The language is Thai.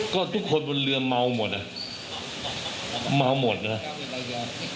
ก็ทุกคนบนเรือเมาหมดนะครับเมาหมดนะครับ